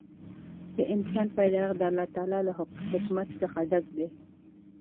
د انسان پیدایښت د الله تعالی له حکمت څخه ډک دی.